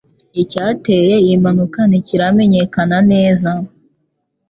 Icyateye iyi mpanuka ntikiramenyekana neza.